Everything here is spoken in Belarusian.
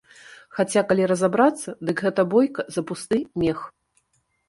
Хаця калі разабрацца, дык гэта бойка за пусты мех.